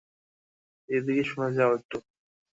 এদিকে শুনে যাও একটু।